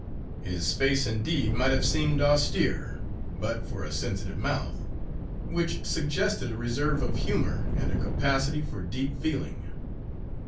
His face indeed might have seemed austere, but for a sensitive mouth, which suggested a reserve of humour and a capacity for deep feeling.